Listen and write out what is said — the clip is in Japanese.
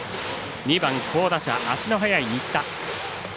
２番、好打者、足の速い新田。